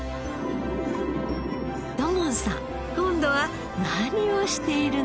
土門さん今度は何をしているの？